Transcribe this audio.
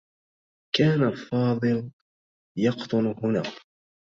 كان فاضل يقطن هنا.